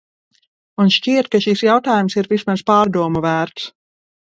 Un šķiet, ka šis jautājums ir vismaz pārdomu vērts.